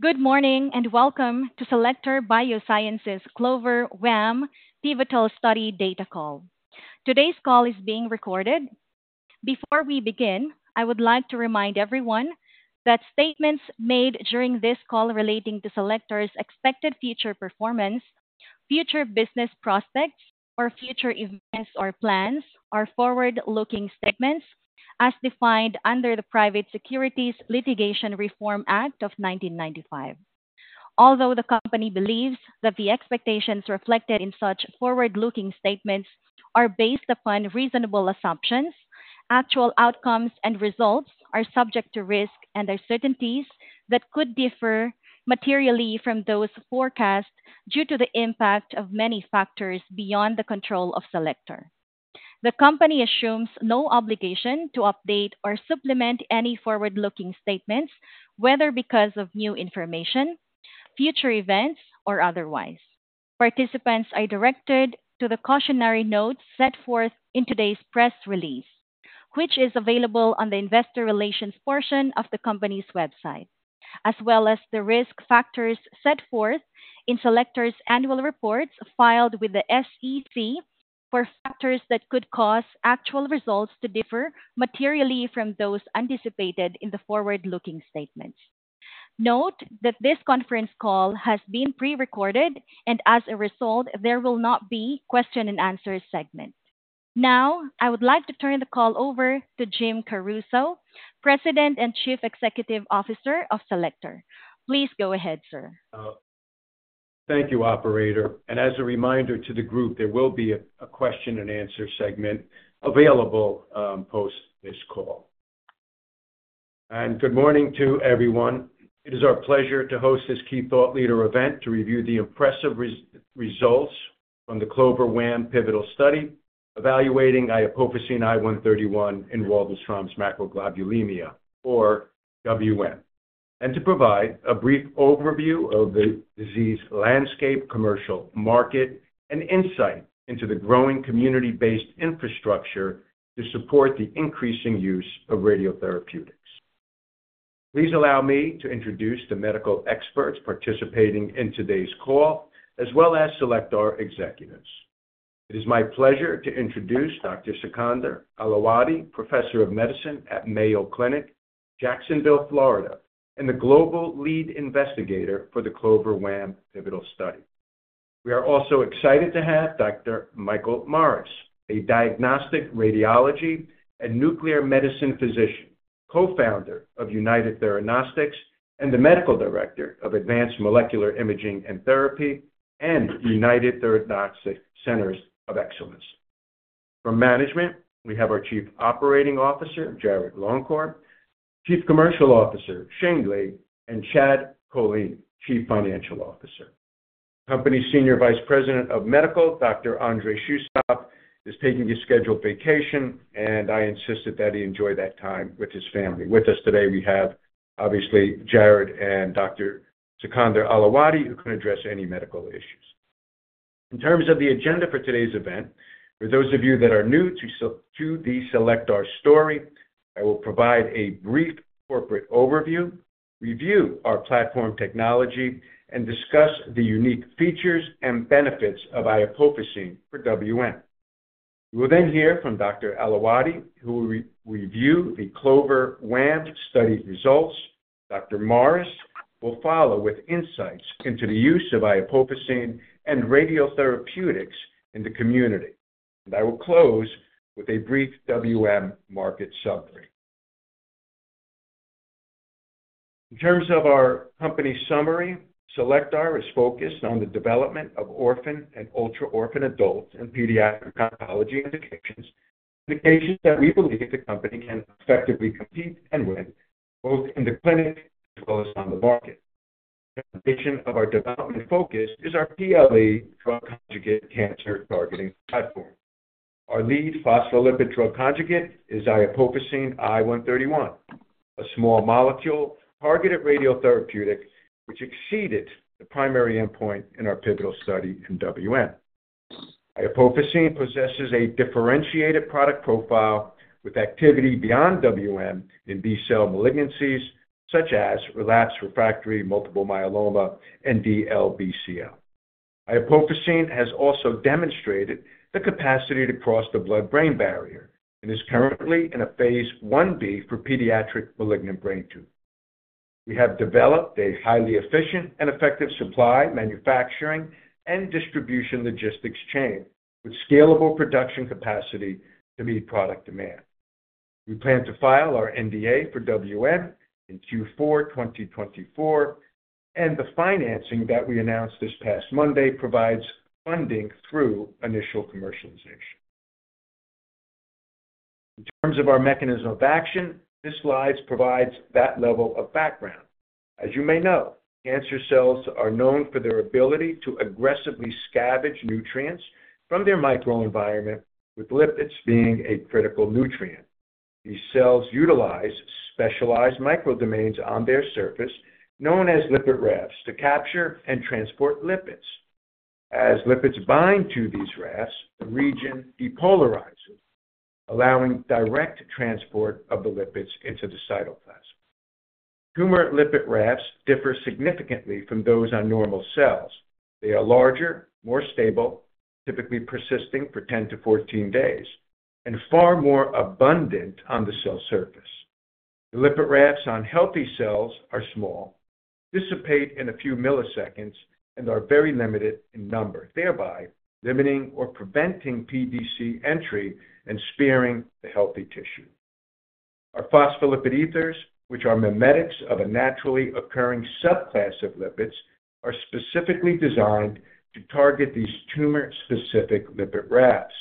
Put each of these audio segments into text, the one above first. Good morning and welcome to Cellectar Biosciences' CLOVER-WaM Pivotal Study Data Call. Today's call is being recorded. Before we begin, I would like to remind everyone that statements made during this call relating to Cellectar's expected future performance, future business prospects, or future events or plans are forward-looking statements, as defined under the Private Securities Litigation Reform Act of 1995. Although the company believes that the expectations reflected in such forward-looking statements are based upon reasonable assumptions, actual outcomes and results are subject to risk and uncertainties that could differ materially from those forecast due to the impact of many factors beyond the control of Cellectar. The company assumes no obligation to update or supplement any forward-looking statements, whether because of new information, future events, or otherwise. Participants are directed to the cautionary notes set forth in today's press release, which is available on the investor relations portion of the company's website, as well as the risk factors set forth in Cellectar's annual reports filed with the SEC for factors that could cause actual results to differ materially from those anticipated in the forward-looking statements. Note that this conference call has been pre-recorded, and as a result, there will not be a question-and-answer segment. Now, I would like to turn the call over to Jim Caruso, President and Chief Executive Officer of Cellectar. Please go ahead, sir. Thank you, Operator. As a reminder to the group, there will be a question-and-answer segment available post this call. Good morning to everyone. It is our pleasure to host this Key Thought Leader event to review the impressive results from the CLOVER-WaM Pivotal Study evaluating iopofosine I 131 in Waldenstrom's macroglobulinemia, or WM. To provide a brief overview of the disease landscape, commercial market, and insight into the growing community-based infrastructure to support the increasing use of radiotherapeutics. Please allow me to introduce the medical experts participating in today's call, as well as Cellectar executives. It is my pleasure to introduce Dr. Sikander Ailawadhi, Professor of Medicine at Mayo Clinic, Jacksonville, Florida, and the Global Lead Investigator for the CLOVER-WaM Pivotal Study. We are also excited to have Dr. Michael Morris, a Diagnostic Radiology and Nuclear Medicine Physician, Co-founder of United Theranostics, and the Medical Director of Advanced Molecular Imaging and Therapy and United Theranostics Centers of Excellence. From management, we have our Chief Operating Officer, Jarrod Longcor, Chief Commercial Officer, Shane Lea, and Chad Kolean, Chief Financial Officer. Company's Senior Vice President, Medical, Dr. Andrei Shustov, is taking his scheduled vacation, and I insisted that he enjoy that time with his family. With us today, we have, obviously, Jarrod and Dr. Sikander Ailawadhi, who can address any medical issues. In terms of the agenda for today's event, for those of you that are new to the Cellectar story, I will provide a brief corporate overview, review our platform technology, and discuss the unique features and benefits of iopofosine for WM. We will then hear from Dr. Ailawadhi, who will review the CLOVER-WaM study results. Dr. Morris will follow with insights into the use of iopofosine and radiotherapeutics in the community. I will close with a brief WM market summary. In terms of our company summary, Cellectar is focused on the development of orphan and ultra-orphan adult and pediatric oncology indications, indications that we believe the company can effectively compete and win both in the clinic as well as on the market. The foundation of our development focus is our PDC drug conjugate cancer targeting platform. Our lead phospholipid drug conjugate is iopofosine I-131, a small molecule targeted radiotherapeutic which exceeded the primary endpoint in our pivotal study in WM. Iopofosine possesses a differentiated product profile with activity beyond WM in B-cell malignancies such as relapsed refractory multiple myeloma and DLBCL. Iopofosine has also demonstrated the capacity to cross the blood-brain barrier and is currently in a Phase 1b for pediatric malignant brain tumors. We have developed a highly efficient and effective supply, manufacturing, and distribution logistics chain with scalable production capacity to meet product demand. We plan to file our NDA for WM in Q4 2024, and the financing that we announced this past Monday provides funding through initial commercialization. In terms of our mechanism of action, this slide provides that level of background. As you may know, cancer cells are known for their ability to aggressively scavenge nutrients from their microenvironment, with lipids being a critical nutrient. These cells utilize specialized microdomains on their surface, known as lipid rafts, to capture and transport lipids. As lipids bind to these rafts, the region depolarizes, allowing direct transport of the lipids into the cytoplasm. Tumor lipid rafts differ significantly from those on normal cells. They are larger, more stable, typically persisting for 10 to 14 days, and far more abundant on the cell surface. The lipid rafts on healthy cells are small, dissipate in a few milliseconds, and are very limited in number, thereby limiting or preventing PDC entry and sparing the healthy tissue. Our phospholipid ethers, which are mimetics of a naturally occurring subclass of lipids, are specifically designed to target these tumor-specific lipid rafts.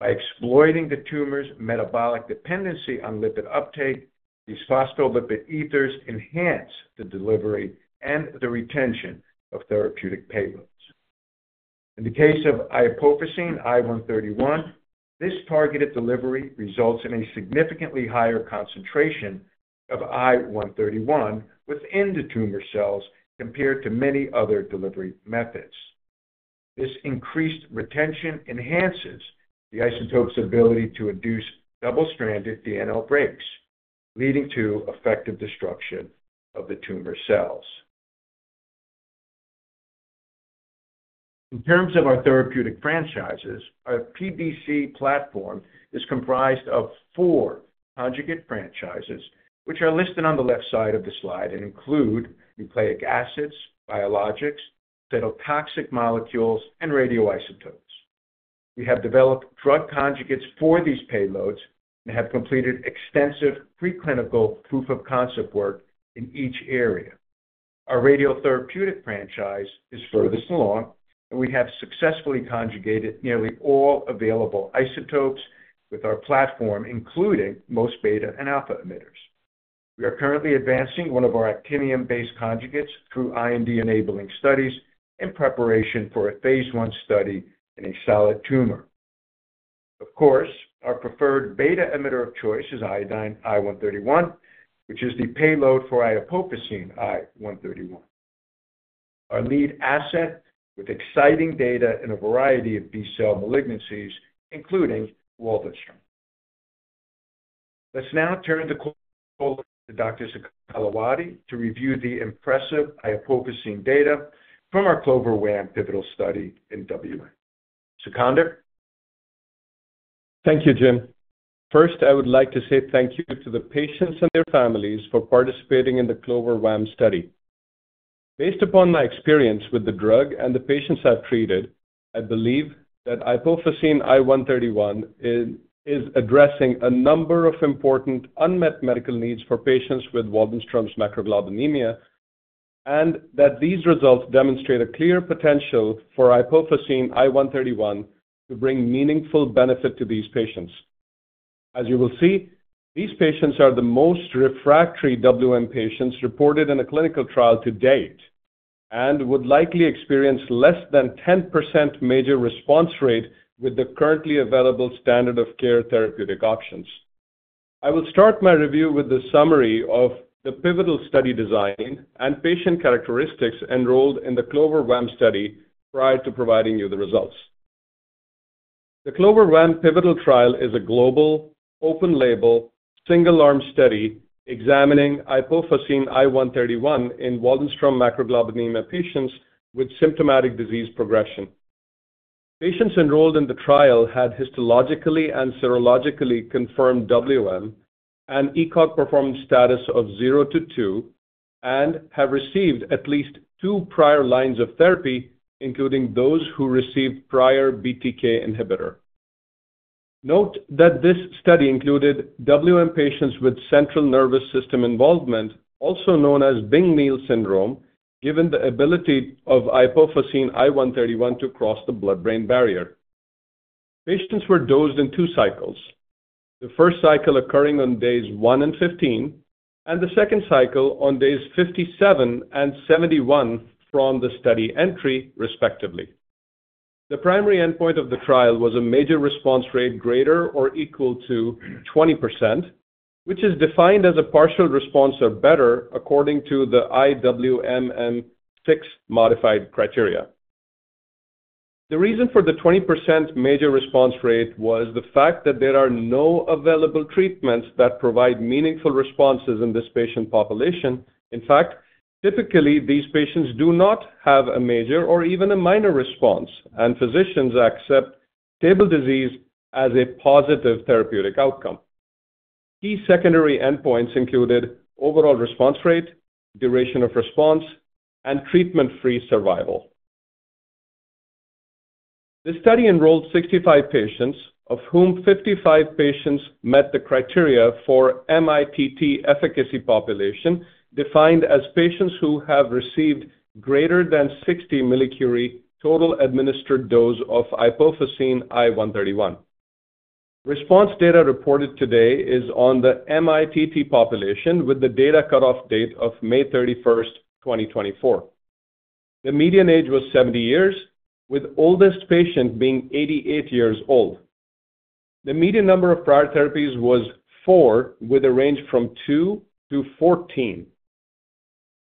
By exploiting the tumor's metabolic dependency on lipid uptake, these phospholipid ethers enhance the delivery and the retention of therapeutic payloads. In the case of iopofosine I-131, this targeted delivery results in a significantly higher concentration of I-131 within the tumor cells compared to many other delivery methods. This increased retention enhances the isotope's ability to induce double-stranded DNA breaks, leading to effective destruction of the tumor cells. In terms of our therapeutic franchises, our PDC platform is comprised of four conjugate franchises, which are listed on the left side of the slide and include nucleic acids, biologics, cytotoxic molecules, and radioisotopes. We have developed drug conjugates for these payloads and have completed extensive preclinical proof-of-concept work in each area. Our radiotherapeutic franchise is furthest along, and we have successfully conjugated nearly all available isotopes with our platform, including most beta and alpha emitters. We are currently advancing one of our actinium-based conjugates through IND-enabling studies in preparation for a Phase I study in a solid tumor. Of course, our preferred beta emitter of choice is iodine I-131, which is the payload for iopofosine I-131, our lead asset with exciting data in a variety of B-cell malignancies, including Waldenstrom's. Let's now turn the call to Dr. Sikander Ailawadhi to review the impressive iopofosine data from our CLOVER-WaM Pivotal Study in WM. Sikander? Thank you, Jim. First, I would like to say thank you to the patients and their families for participating in the CLOVER-WaM study. Based upon my experience with the drug and the patients I've treated, I believe that iopofosine I-131 is addressing a number of important unmet medical needs for patients with Waldenstrom's macroglobulinemia and that these results demonstrate a clear potential for iopofosine I-131 to bring meaningful benefit to these patients. As you will see, these patients are the most refractory WM patients reported in a clinical trial to date and would likely experience less than 10% major response rate with the currently available standard of care therapeutic options. I will start my review with the summary of the pivotal study design and patient characteristics enrolled in the CLOVER-WaM study prior to providing you the results. The CLOVER-WaM Pivotal Trial is a global, open-label, single-arm study examining iopofosine I-131 in Waldenstrom's macroglobulinemia patients with symptomatic disease progression. Patients enrolled in the trial had histologically and serologically confirmed WM and ECOG Performance Status of 0-2 and have received at least two prior lines of therapy, including those who received prior BTK inhibitor. Note that this study included WM patients with central nervous system involvement, also known as Bing-Neill syndrome, given the ability of iopofosine I-131 to cross the blood-brain barrier. Patients were dosed in two cycles, the first cycle occurring on days 1 and 15, and the second cycle on days 57 and 71 from the study entry, respectively. The primary endpoint of the trial was a major response rate greater or equal to 20%, which is defined as a partial response or better according to the IWWM-6 modified criteria. The reason for the 20% major response rate was the fact that there are no available treatments that provide meaningful responses in this patient population. In fact, typically, these patients do not have a major or even a minor response, and physicians accept stable disease as a positive therapeutic outcome. Key secondary endpoints included overall response rate, duration of response, and treatment-free survival. The study enrolled 65 patients, of whom 55 patients met the criteria for MITT efficacy population, defined as patients who have received greater than 60 millicurie total administered dose of iopofosine I-131. Response data reported today is on the MITT population with the data cutoff date of May 31, 2024. The median age was 70 years, with the oldest patient being 88 years old. The median number of prior therapies was 4, with a range from 2 to 14.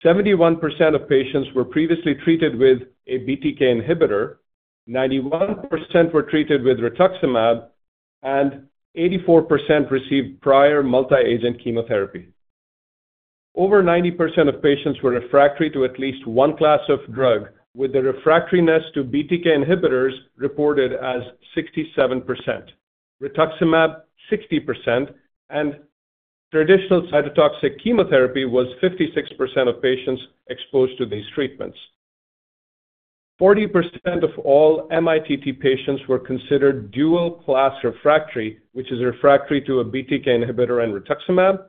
71% of patients were previously treated with a BTK inhibitor, 91% were treated with rituximab, and 84% received prior multi-agent chemotherapy. Over 90% of patients were refractory to at least one class of drug, with the refractoriness to BTK inhibitors reported as 67%, rituximab 60%, and traditional cytotoxic chemotherapy was 56% of patients exposed to these treatments. 40% of all MITT patients were considered dual-class refractory, which is refractory to a BTK inhibitor and rituximab,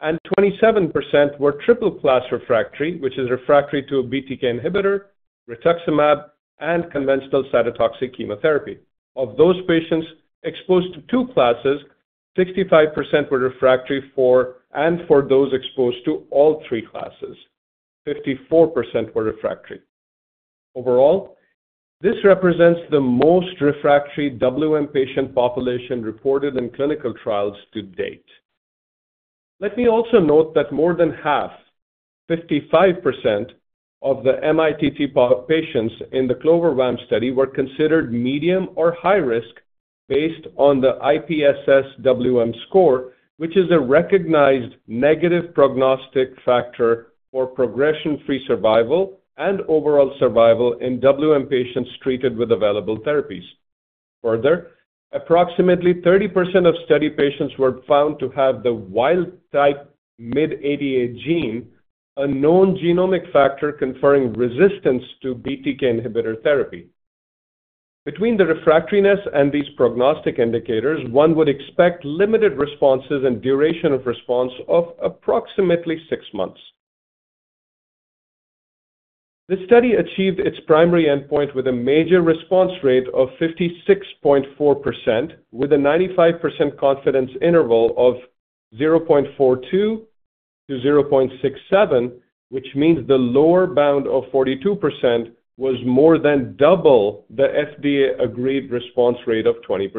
and 27% were triple-class refractory, which is refractory to a BTK inhibitor, rituximab, and conventional cytotoxic chemotherapy. Of those patients exposed to two classes, 65% were refractory for and for those exposed to all three classes. 54% were refractory. Overall, this represents the most refractory WM patient population reported in clinical trials to date. Let me also note that more than half, 55% of the MITT patients in the CLOVER-WaM study were considered medium or high risk based on the IPSSWM score, which is a recognized negative prognostic factor for progression-free survival and overall survival in WM patients treated with available therapies. Further, approximately 30% of study patients were found to have the wild-type MYD88 gene, a known genomic factor conferring resistance to BTK inhibitor therapy. Between the refractoriness and these prognostic indicators, one would expect limited responses and duration of response of approximately six months. The study achieved its primary endpoint with a major response rate of 56.4%, with a 95% confidence interval of 42%-67%, which means the lower bound of 42% was more than double the FDA-agreed response rate of 20%.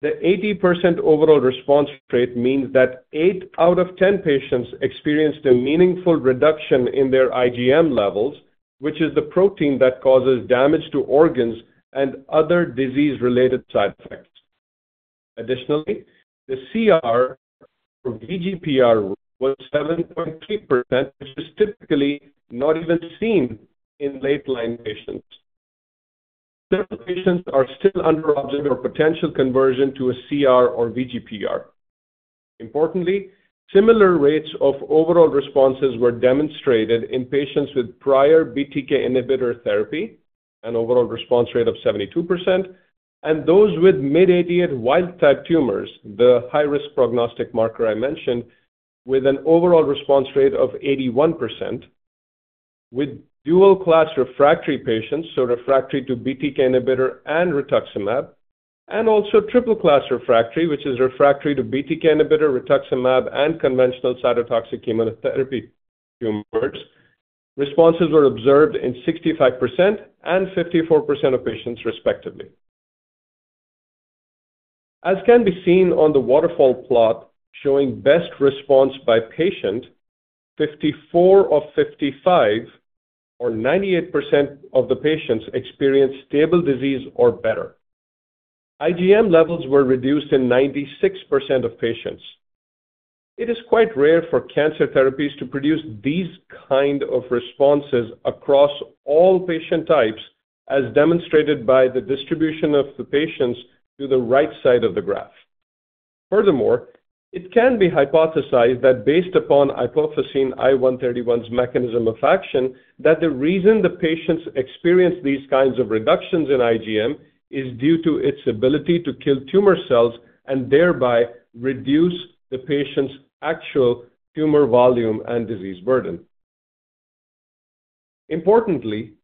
The 80% overall response rate means that 8 out of 10 patients experienced a meaningful reduction in their IgM levels, which is the protein that causes damage to organs and other disease-related side effects. Additionally, the CR or VGPR was 7.3%, which is typically not even seen in late-line patients. Several patients are still under observed potential conversion to a CR or VGPR. Importantly, similar rates of overall responses were demonstrated in patients with prior BTK inhibitor therapy, an overall response rate of 72%, and those with MYD88 wild-type tumors, the high-risk prognostic marker I mentioned, with an overall response rate of 81%, with dual-class refractory patients, so refractory to BTK inhibitor and rituximab, and also triple-class refractory, which is refractory to BTK inhibitor, rituximab, and conventional cytotoxic chemotherapy tumors. Responses were observed in 65% and 54% of patients, respectively. As can be seen on the waterfall plot showing best response by patient, 54 of 55 or 98% of the patients experienced stable disease or better. IgM levels were reduced in 96% of patients. It is quite rare for cancer therapies to produce these kinds of responses across all patient types, as demonstrated by the distribution of the patients to the right side of the graph. Furthermore, it can be hypothesized that, based upon iopofosine I-131's mechanism of action, the reason the patients experience these kinds of reductions in IgM is due to its ability to kill tumor cells and thereby reduce the patient's actual tumor volume and disease burden. Importantly,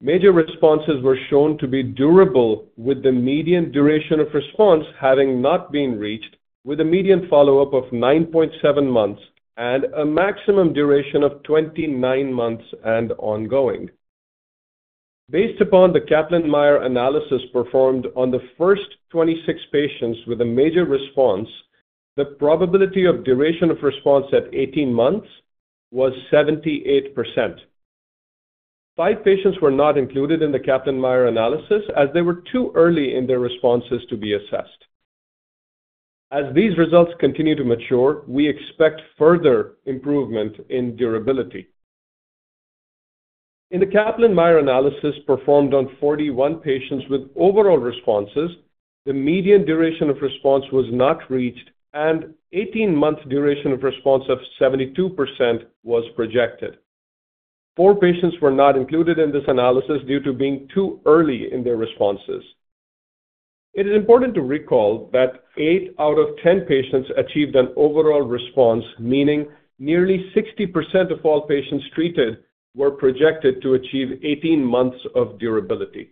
major responses were shown to be durable, with the median duration of response having not been reached, with a median follow-up of 9.7 months and a maximum duration of 29 months and ongoing. Based upon the Kaplan-Meier analysis performed on the first 26 patients with a major response, the probability of duration of response at 18 months was 78%. Five patients were not included in the Kaplan-Meier analysis as they were too early in their responses to be assessed. As these results continue to mature, we expect further improvement in durability. In the Kaplan-Meier analysis performed on 41 patients with overall responses, the median duration of response was not reached, and 18-month duration of response of 72% was projected. Four patients were not included in this analysis due to being too early in their responses. It is important to recall that eight out of 10 patients achieved an overall response, meaning nearly 60% of all patients treated were projected to achieve 18 months of durability.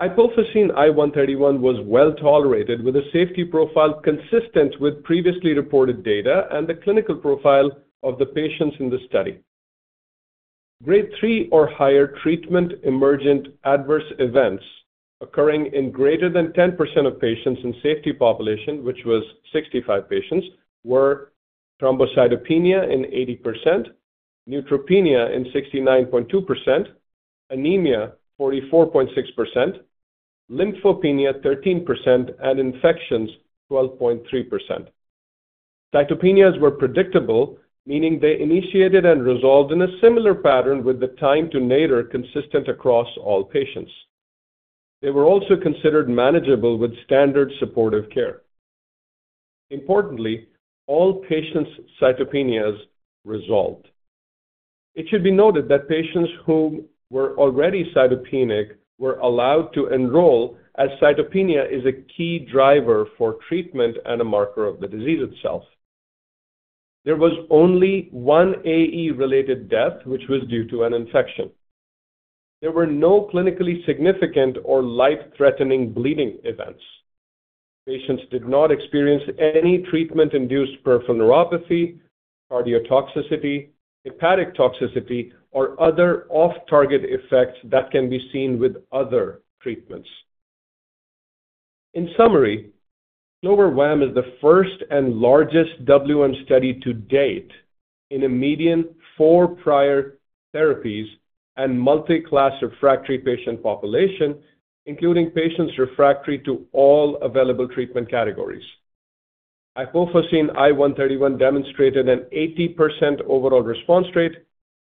Iopofosine I-131 was well tolerated, with a safety profile consistent with previously reported data and the clinical profile of the patients in the study. Grade 3 or higher treatment emergent adverse events occurring in greater than 10% of patients in safety population, which was 65 patients, were thrombocytopenia in 80%, neutropenia in 69.2%, anemia 44.6%, lymphopenia 13%, and infections 12.3%. Cytopenias were predictable, meaning they initiated and resolved in a similar pattern with the time to nadir consistent across all patients. They were also considered manageable with standard supportive care. Importantly, all patients' cytopenias resolved. It should be noted that patients who were already cytopenic were allowed to enroll as cytopenia is a key driver for treatment and a marker of the disease itself. There was only one AE-related death, which was due to an infection. There were no clinically significant or life-threatening bleeding events. Patients did not experience any treatment-induced peripheral neuropathy, cardiotoxicity, hepatic toxicity, or other off-target effects that can be seen with other treatments. In summary, CLOVER-WaM is the first and largest WM study to date in a median four prior therapies and multi-class refractory patient population, including patients refractory to all available treatment categories. Iopofosine I-131 demonstrated an 80% overall response rate,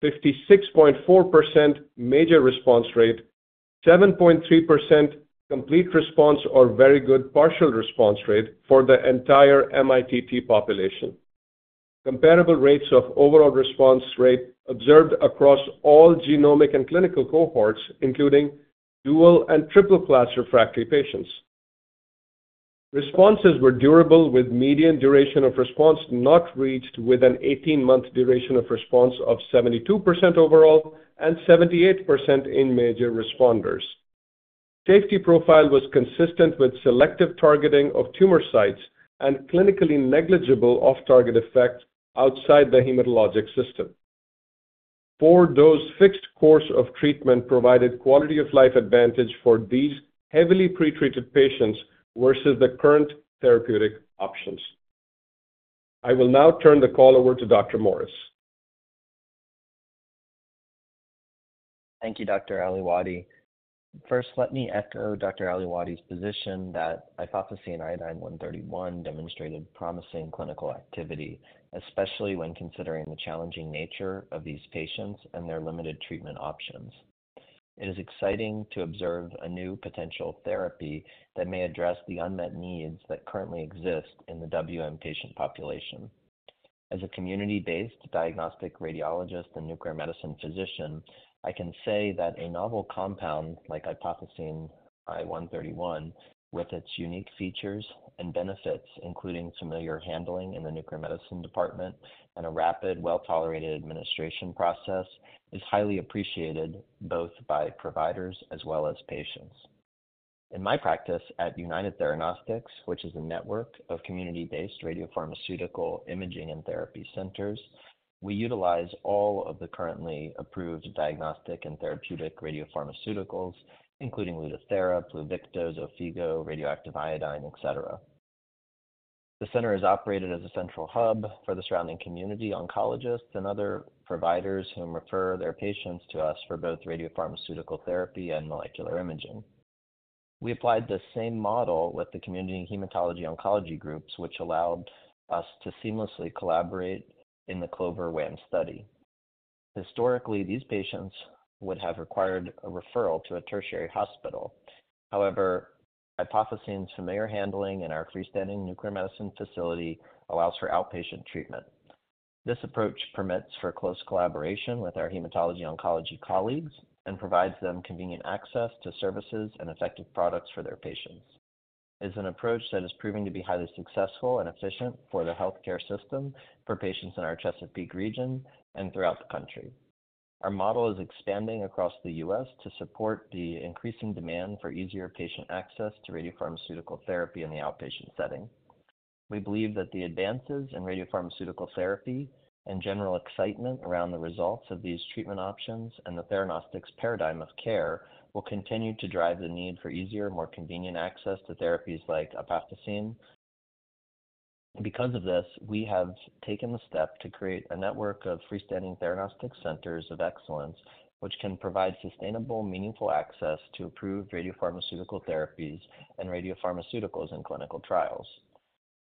56.4% major response rate, 7.3% complete response or very good partial response rate for the entire MITT population. Comparable rates of overall response rate observed across all genomic and clinical cohorts, including dual and triple-class refractory patients. Responses were durable, with median duration of response not reached with an 18-month duration of response of 72% overall and 78% in major responders. Safety profile was consistent with selective targeting of tumor sites and clinically negligible off-target effects outside the hematologic system. Four-dose fixed course of treatment provided quality-of-life advantage for these heavily pretreated patients versus the current therapeutic options. I will now turn the call over to Dr. Morris. Thank you, Dr. Ailawadhi. First, let me echo Dr. Ailawadhi's position that iopofosine I-131 demonstrated promising clinical activity, especially when considering the challenging nature of these patients and their limited treatment options. It is exciting to observe a new potential therapy that may address the unmet needs that currently exist in the WM patient population. As a community-based diagnostic radiologist and nuclear medicine physician, I can say that a novel compound like iopofosine I-131, with its unique features and benefits, including familiar handling in the nuclear medicine department and a rapid, well-tolerated administration process, is highly appreciated both by providers as well as patients. In my practice at United Theranostics, which is a network of community-based radiopharmaceutical imaging and therapy centers, we utilize all of the currently approved diagnostic and therapeutic radiopharmaceuticals, including Lutathera, Pluvicto, Xofigo, radioactive iodine, etc. The center is operated as a central hub for the surrounding community oncologists and other providers who refer their patients to us for both radiopharmaceutical therapy and molecular imaging. We applied the same model with the community hematology oncology groups, which allowed us to seamlessly collaborate in the CLOVER-WaM study. Historically, these patients would have required a referral to a tertiary hospital. However, iopofosine's familiar handling in our freestanding nuclear medicine facility allows for outpatient treatment. This approach permits for close collaboration with our hematology oncology colleagues and provides them convenient access to services and effective products for their patients. It is an approach that is proving to be highly successful and efficient for the healthcare system for patients in our Chesapeake region and throughout the country. Our model is expanding across the U.S. to support the increasing demand for easier patient access to radiopharmaceutical therapy in the outpatient setting. We believe that the advances in radiopharmaceutical therapy and general excitement around the results of these treatment options and the theranostics paradigm of care will continue to drive the need for easier, more convenient access to therapies like iopofosine. Because of this, we have taken the step to create a network of freestanding theranostics centers of excellence, which can provide sustainable, meaningful access to approved radiopharmaceutical therapies and radiopharmaceuticals in clinical trials.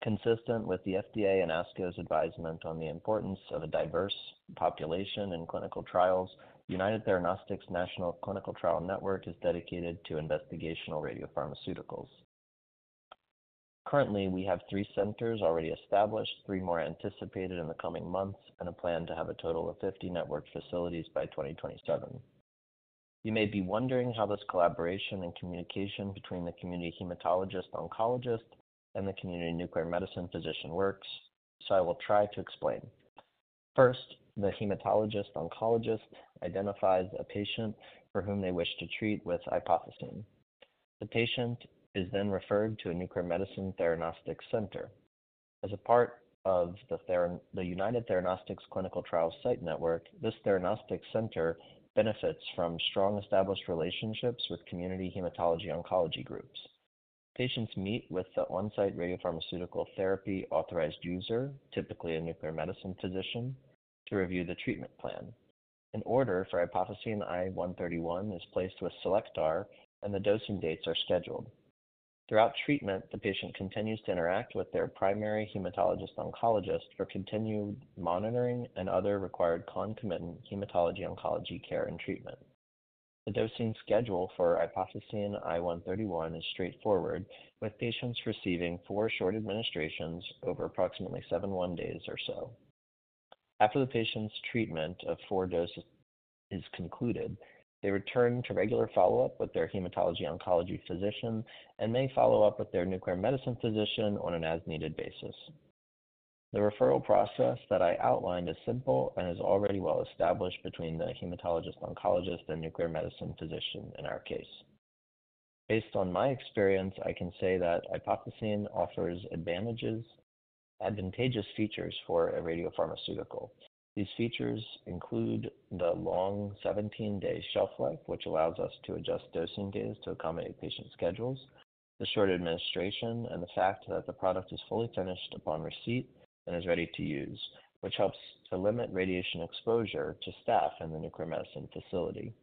Consistent with the FDA and ASCO's advisement on the importance of a diverse population in clinical trials, United Theranostics National Clinical Trial Network is dedicated to investigational radiopharmaceuticals. Currently, we have 3 centers already established, 3 more anticipated in the coming months, and a plan to have a total of 50 network facilities by 2027. You may be wondering how this collaboration and communication between the community hematologist-oncologist and the community nuclear medicine physician works, so I will try to explain. First, the hematologist-oncologist identifies a patient for whom they wish to treat with iopofosine. The patient is then referred to a nuclear medicine theranostics center. As a part of the United Theranostics Clinical Trial Site Network, this theranostics center benefits from strong established relationships with community hematology oncology groups. Patients meet with the on-site radiopharmaceutical therapy authorized user, typically a nuclear medicine physician, to review the treatment plan. An order for iopofosine I-131 is placed with Cellectar, and the dosing dates are scheduled. Throughout treatment, the patient continues to interact with their primary hematologist-oncologist for continued monitoring and other required concomitant hematology oncology care and treatment. The dosing schedule for iopofosine I-131 is straightforward, with patients receiving four short administrations over approximately 71 days or so. After the patient's treatment of four doses is concluded, they return to regular follow-up with their hematology oncology physician and may follow up with their nuclear medicine physician on an as-needed basis. The referral process that I outlined is simple and is already well established between the hematologist-oncologist and nuclear medicine physician in our case. Based on my experience, I can say that iopofosine offers advantages, advantageous features for a radiopharmaceutical. These features include the long 17-day shelf life, which allows us to adjust dosing days to accommodate patient schedules, the short administration, and the fact that the product is fully finished upon receipt and is ready to use, which helps to limit radiation exposure to staff in the nuclear medicine facility.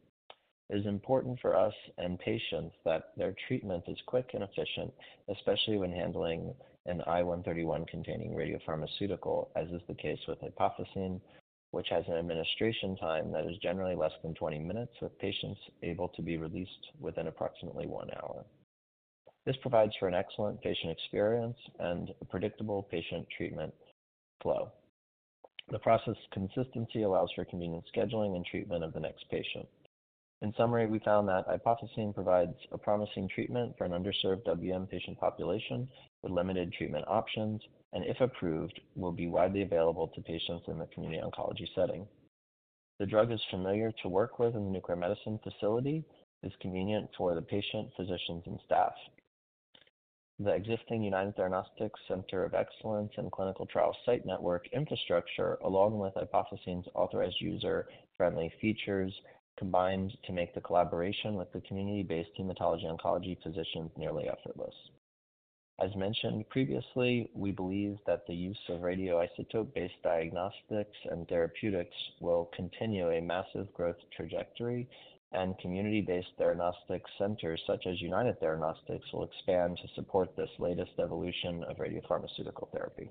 It is important for us and patients that their treatment is quick and efficient, especially when handling an I-131-containing radiopharmaceutical, as is the case with iopofosine, which has an administration time that is generally less than 20 minutes, with patients able to be released within approximately 1 hour. This provides for an excellent patient experience and a predictable patient treatment flow. The process consistency allows for convenient scheduling and treatment of the next patient. In summary, we found that iopofosine provides a promising treatment for an underserved WM patient population with limited treatment options, and if approved, will be widely available to patients in the community oncology setting. The drug is familiar to work with in the nuclear medicine facility. It is convenient for the patient, physicians, and staff. The existing United Theranostics Center of Excellence and Clinical Trial Site Network infrastructure, along with iopofosine's authorized user-friendly features, combines to make the collaboration with the community-based hematology oncology physicians nearly effortless. As mentioned previously, we believe that the use of radioisotope-based diagnostics and therapeutics will continue a massive growth trajectory, and community-based theranostics centers such as United Theranostics will expand to support this latest evolution of radiopharmaceutical therapy.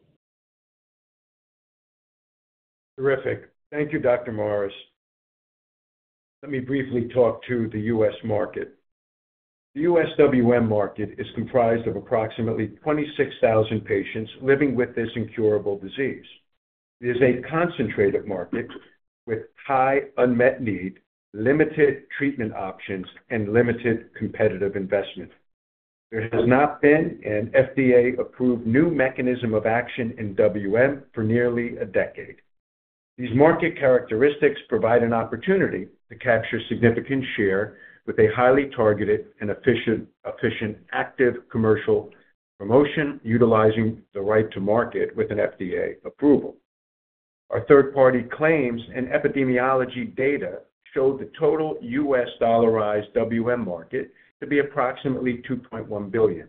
Terrific. Thank you, Dr. Morris. Let me briefly talk to the U.S. market. The U.S. WM market is comprised of approximately 26,000 patients living with this incurable disease. It is a concentrated market with high unmet need, limited treatment options, and limited competitive investment. There has not been an FDA-approved new mechanism of action in WM for nearly a decade. These market characteristics provide an opportunity to capture a significant share with a highly targeted and efficient active commercial promotion, utilizing the route to market with an FDA approval. Our third-party claims and epidemiology data show the total U.S. dollarized WM market to be approximately $2.1 billion,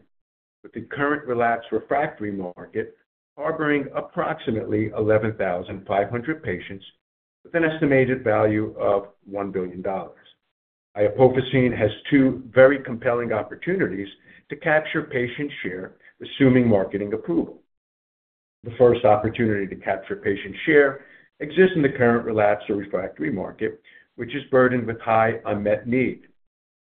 with the current relapsed refractory market harboring approximately 11,500 patients with an estimated value of $1 billion. iopofosine I-131 has two very compelling opportunities to capture patient share with imminent marketing approval. The first opportunity to capture patient share exists in the current relapsed refractory market, which is burdened with high unmet need.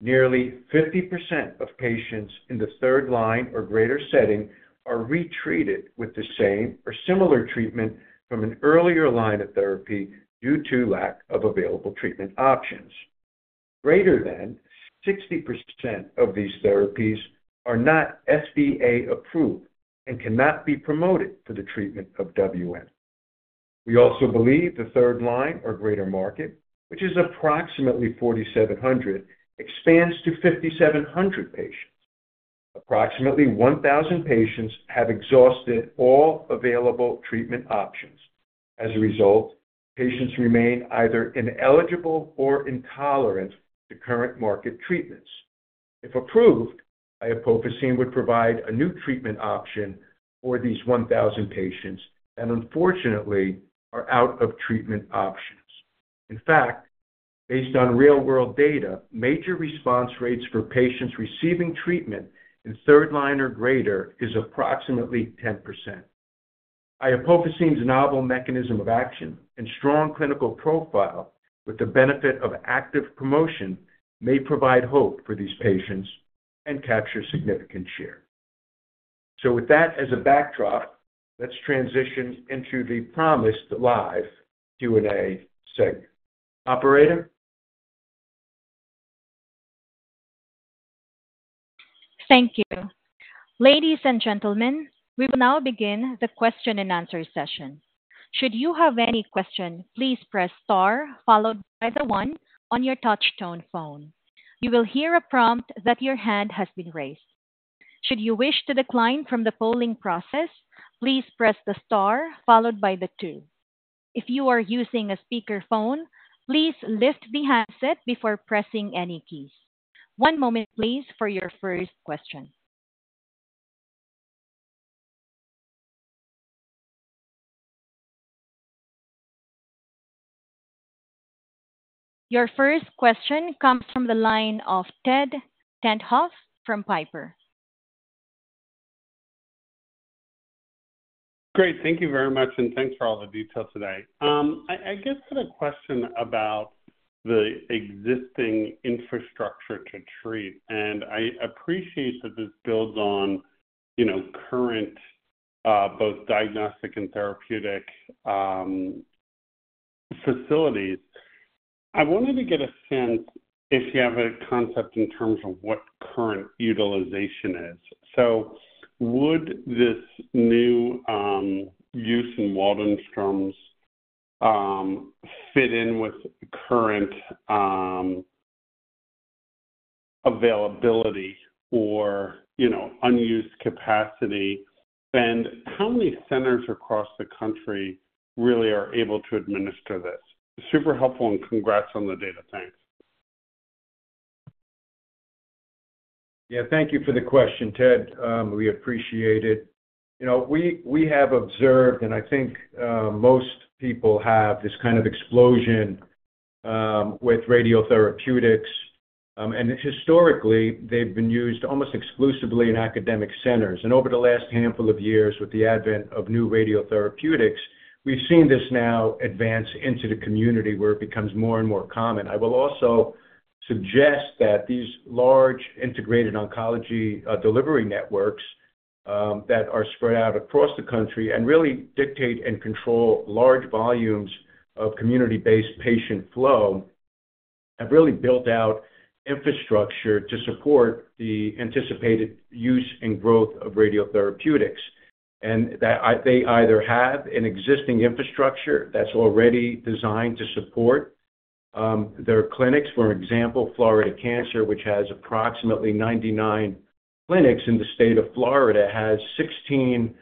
Nearly 50% of patients in the third line or greater setting are retreated with the same or similar treatment from an earlier line of therapy due to lack of available treatment options. Greater than 60% of these therapies are not FDA-approved and cannot be promoted for the treatment of WM. We also believe the third line or greater market, which is approximately 4,700, expands to 5,700 patients. Approximately 1,000 patients have exhausted all available treatment options. As a result, patients remain either ineligible or intolerant to current market treatments. If approved, iopofosine would provide a new treatment option for these 1,000 patients that unfortunately are out of treatment options. In fact, based on real-world data, major response rates for patients receiving treatment in third line or greater are approximately 10%. iopofosine's novel mechanism of action and strong clinical profile, with the benefit of active promotion, may provide hope for these patients and capture significant share. So with that as a backdrop, let's transition into the promised live Q&A segment. Operator? Thank you. Ladies and gentlemen, we will now begin the question-and-answer session. Should you have any question, please press star followed by the one on your touch-tone phone. You will hear a prompt that your hand has been raised. Should you wish to decline from the polling process, please press the star followed by the two. If you are using a speakerphone, please lift the handset before pressing any keys. One moment, please, for your first question. Your first question comes from the line of Ted Tenthoff from Piper. Great. Thank you very much, and thanks for all the detail today. I guess the question about the existing infrastructure to treat, and I appreciate that this builds on current both diagnostic and therapeutic facilities. I wanted to get a sense if you have a concept in terms of what current utilization is. So would this new use in Waldenstrom's fit in with current availability or unused capacity? And how many centers across the country really are able to administer this? Super helpful, and congrats on the data. Thanks. Yeah. Thank you for the question, Ted. We appreciate it. We have observed, and I think most people have this kind of explosion with radiotherapeutics. Historically, they've been used almost exclusively in academic centers. Over the last handful of years, with the advent of new radiotherapeutics, we've seen this now advance into the community where it becomes more and more common. I will also suggest that these large integrated oncology delivery networks that are spread out across the country and really dictate and control large volumes of community-based patient flow have really built out infrastructure to support the anticipated use and growth of radiotherapeutics. They either have an existing infrastructure that's already designed to support their clinics. For example, Florida Cancer, which has approximately 99 clinics in the state of Florida, has 16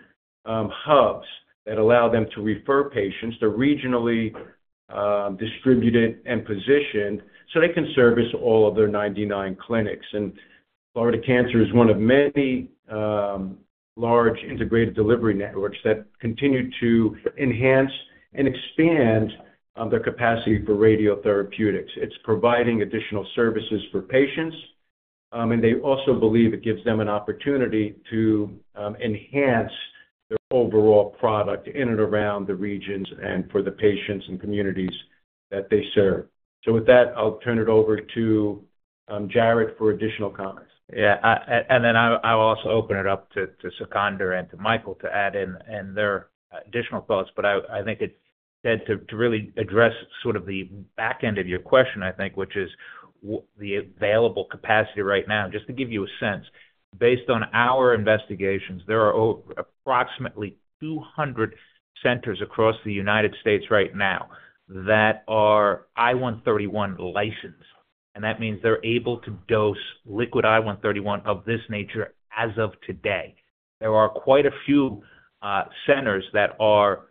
hubs that allow them to refer patients. They're regionally distributed and positioned so they can service all of their 99 clinics. Florida Cancer is one of many large integrated delivery networks that continue to enhance and expand their capacity for radiotherapeutics. It's providing additional services for patients, and they also believe it gives them an opportunity to enhance their overall product in and around the regions and for the patients and communities that they serve. So with that, I'll turn it over to Jarrod for additional comments. Yeah. And then I'll also open it up to Sikander and to Michael to add in their additional thoughts. But I think it's safe to really address sort of the back end of your question, I think, which is the available capacity right now. Just to give you a sense, based on our investigations, there are approximately 200 centers across the United States right now that are I-131 licensed. And that means they're able to dose liquid I-131 of this nature as of today. There are quite a few centers that are,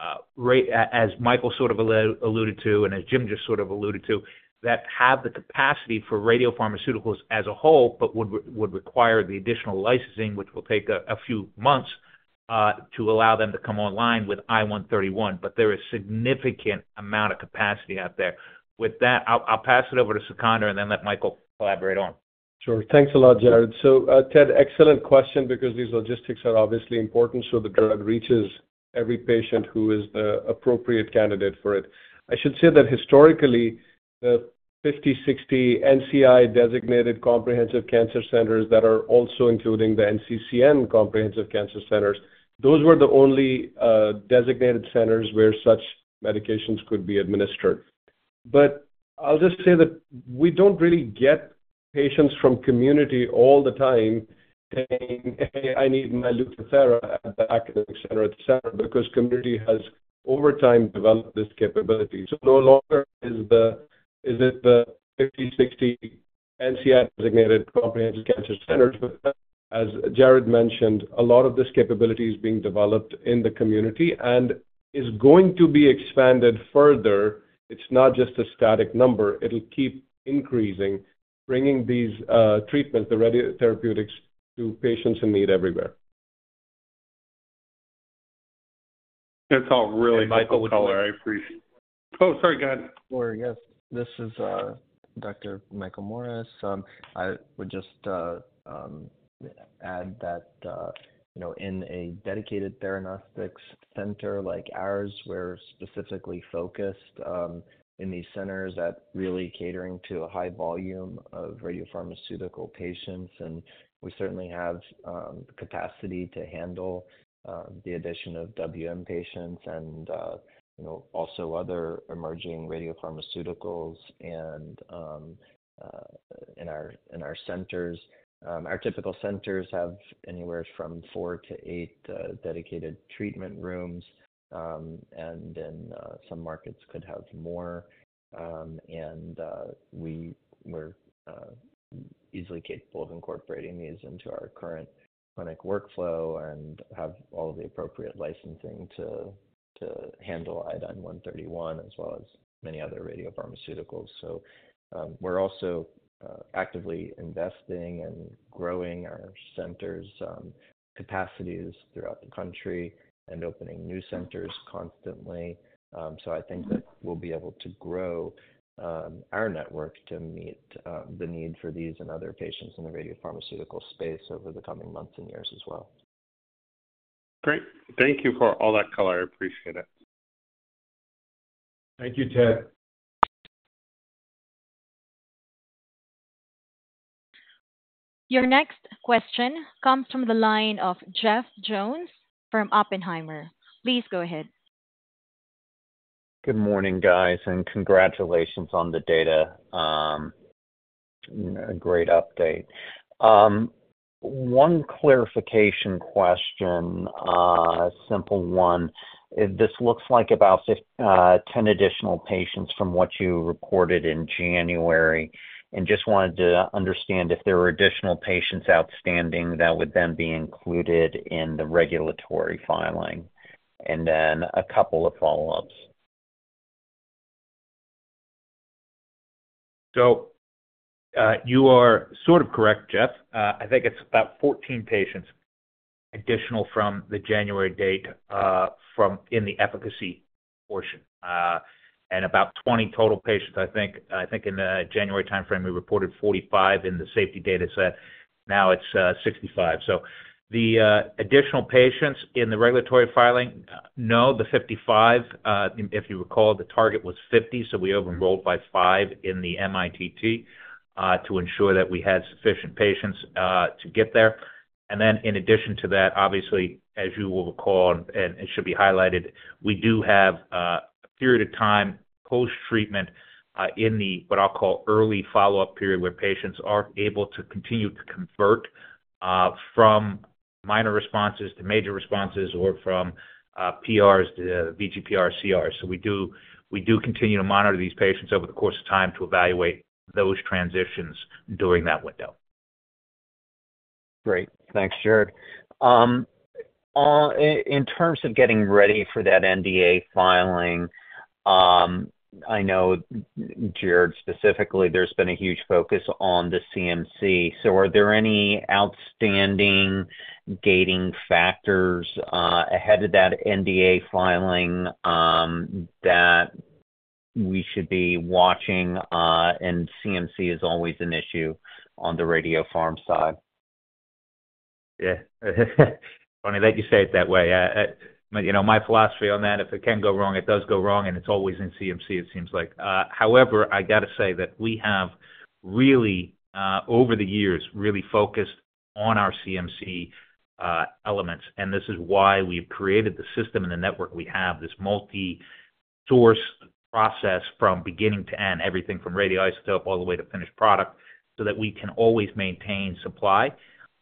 as Michael sort of alluded to and as Jim just sort of alluded to, that have the capacity for radiopharmaceuticals as a whole but would require the additional licensing, which will take a few months to allow them to come online with I-131. But there is a significant amount of capacity out there. With that, I'll pass it over to Sikander and then let Michael collaborate on. Sure. Thanks a lot, Jarrod. So Ted, excellent question because these logistics are obviously important so the drug reaches every patient who is the appropriate candidate for it. I should say that historically, the 50-60 NCI-designated comprehensive cancer centers that are also including the NCCN comprehensive cancer centers, those were the only designated centers where such medications could be administered. But I'll just say that we don't really get patients from community all the time saying, "Hey, I need my Lutathera," at the academic center, etc., because community has over time developed this capability. So no longer is it the 50-60 NCI-designated comprehensive cancer centers. But as Jarrod mentioned, a lot of this capability is being developed in the community and is going to be expanded further. It's not just a static number. It'll keep increasing, bringing these treatments, the radiotherapeutics, to patients in need everywhere. That's all really helpful. Michael would be. Oh, sorry. Go ahead. Sure. Yes. This is Dr. Michael Morris. I would just add that in a dedicated theranostics center like ours, we're specifically focused in these centers that are really catering to a high volume of radiopharmaceutical patients. We certainly have the capacity to handle the addition of WM patients and also other emerging radiopharmaceuticals in our centers. Our typical centers have anywhere from 4-8 dedicated treatment rooms, and then some markets could have more. We're easily capable of incorporating these into our current clinic workflow and have all of the appropriate licensing to handle I-131 as well as many other radiopharmaceuticals. We're also actively investing and growing our centers' capacities throughout the country and opening new centers constantly. I think that we'll be able to grow our network to meet the need for these and other patients in the radiopharmaceutical space over the coming months and years as well. Great. Thank you for all that color. I appreciate it. Thank you, Ted. Your next question comes from the line of Jeff Jones from Oppenheimer. Please go ahead. Good morning, guys, and congratulations on the data. A great update. One clarification question, a simple one. This looks like about 10 additional patients from what you reported in January, and just wanted to understand if there were additional patients outstanding that would then be included in the regulatory filing. And then a couple of follow-ups. So you are sort of correct, Jeff. I think it's about 14 patients additional from the January date in the efficacy portion and about 20 total patients. I think in the January timeframe, we reported 45 in the safety data set. Now it's 65. So the additional patients in the regulatory filing, no, the 55, if you recall, the target was 50. So we overrolled by 5 in the MITT to ensure that we had sufficient patients to get there. And then in addition to that, obviously, as you will recall, and it should be highlighted, we do have a period of time post-treatment in the what I'll call early follow-up period where patients are able to continue to convert from minor responses to major responses or from PRs to VGPRs, CRs. So we do continue to monitor these patients over the course of time to evaluate those transitions during that window. Great. Thanks, Jarrod. In terms of getting ready for that NDA filing, I know, Jarrod, specifically, there's been a huge focus on the CMC. So are there any outstanding gating factors ahead of that NDA filing that we should be watching? And CMC is always an issue on the radiopharm side. Yeah. Funny that you say it that way. My philosophy on that, if it can go wrong, it does go wrong, and it's always in CMC, it seems like. However, I got to say that we have really, over the years, really focused on our CMC elements. This is why we've created the system and the network we have, this multi-source process from beginning to end, everything from radioisotope all the way to finished product, so that we can always maintain supply.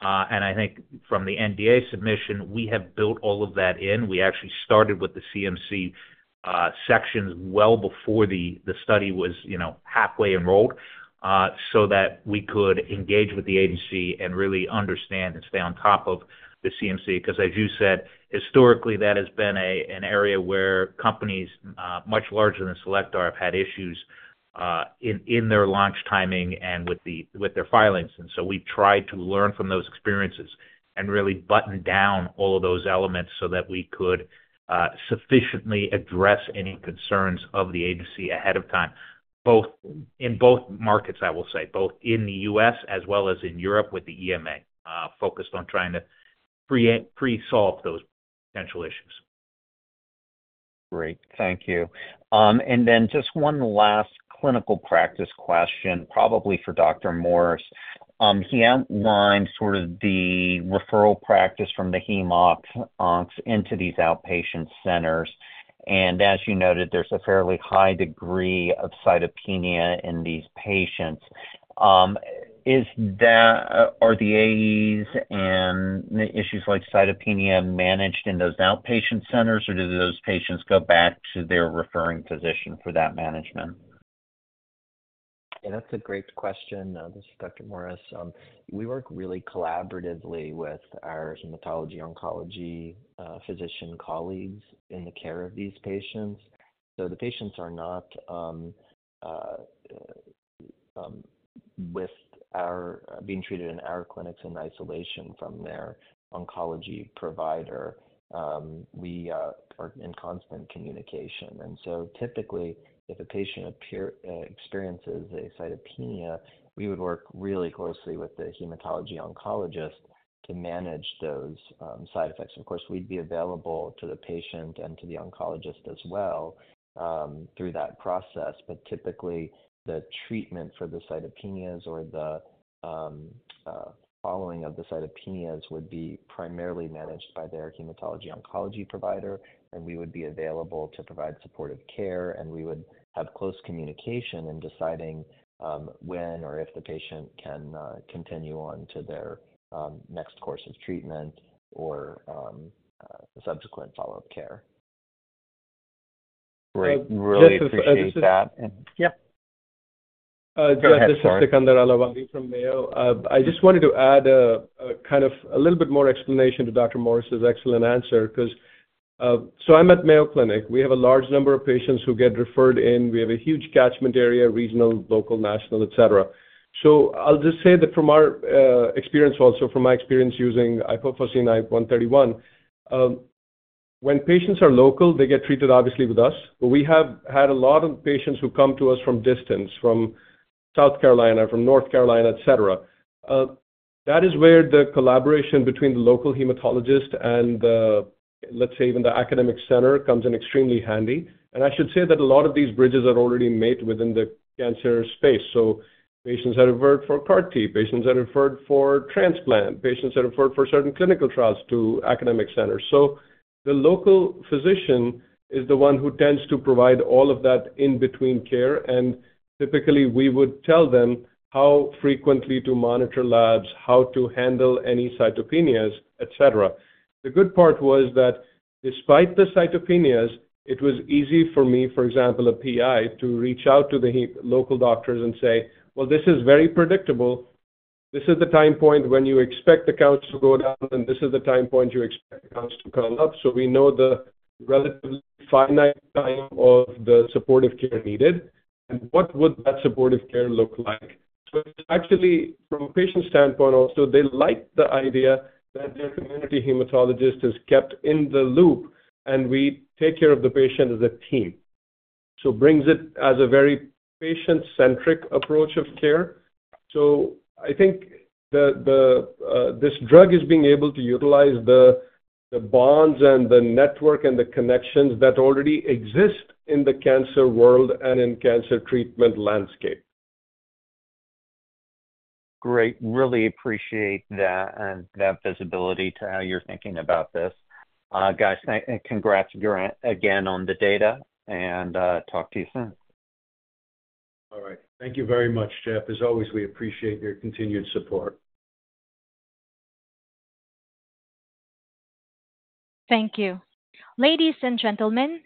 I think from the NDA submission, we have built all of that in. We actually started with the CMC sections well before the study was halfway enrolled so that we could engage with the agency and really understand and stay on top of the CMC. Because as you said, historically, that has been an area where companies much larger than Cellectar have had issues in their launch timing and with their filings. And so we've tried to learn from those experiences and really button down all of those elements so that we could sufficiently address any concerns of the agency ahead of time, in both markets, I will say, both in the U.S. as well as in Europe with the EMA, focused on trying to pre-solve those potential issues. Great. Thank you. And then just one last clinical practice question, probably for Dr. Morris. He outlined sort of the referral practice from the hem/onc into these outpatient centers. And as you noted, there's a fairly high degree of cytopenia in these patients. Are the AEs and issues like cytopenia managed in those outpatient centers, or do those patients go back to their referring physician for that management? Yeah. That's a great question. This is Dr. Morris. We work really collaboratively with our hematology-oncology physician colleagues in the care of these patients. So the patients are not being treated in our clinics in isolation from their oncology provider. We are in constant communication. And so typically, if a patient experiences a cytopenia, we would work really closely with the hematology-oncologist to manage those side effects. Of course, we'd be available to the patient and to the oncologist as well through that process. But typically, the treatment for the cytopenias or the following of the cytopenias would be primarily managed by their hematology-oncology provider, and we would be available to provide supportive care. And we would have close communication in deciding when or if the patient can continue on to their next course of treatment or subsequent follow-up care. Great. Really appreciate that. Yep. This is Sikander Ailawadhi from Mayo. I just wanted to add kind of a little bit more explanation to Dr. Morris's excellent answer because so I'm at Mayo Clinic. We have a large number of patients who get referred in. We have a huge catchment area: regional, local, national, etc. So I'll just say that from our experience, also from my experience using iopofosine I-131, when patients are local, they get treated obviously with us. But we have had a lot of patients who come to us from a distance, from South Carolina, from North Carolina, etc. That is where the collaboration between the local hematologist and, let's say, even the academic center comes in extremely handy. And I should say that a lot of these bridges are already made within the cancer space. So patients are referred for CAR-T. Patients are referred for transplant. Patients are referred for certain clinical trials to academic centers. So the local physician is the one who tends to provide all of that in-between care. Typically, we would tell them how frequently to monitor labs, how to handle any cytopenias, etc. The good part was that despite the cytopenias, it was easy for me, for example, a PI, to reach out to the local doctors and say, "Well, this is very predictable. This is the time point when you expect the counts to go down, and this is the time point you expect the counts to come up. So we know the relatively finite time of the supportive care needed. And what would that supportive care look like?" So actually, from a patient standpoint, also, they like the idea that their community hematologist is kept in the loop, and we take care of the patient as a team. So it brings it as a very patient-centric approach of care. So I think this drug is being able to utilize the bonds and the network and the connections that already exist in the cancer world and in cancer treatment landscape. Great. Really appreciate that and that visibility to how you're thinking about this. Guys, congrats again on the data, and talk to you soon. All right. Thank you very much, Jeff. As always, we appreciate your continued support. Thank you. Ladies and gentlemen,